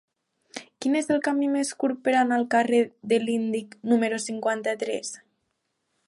Quin és el camí més curt per anar al carrer de l'Índic número cinquanta-tres?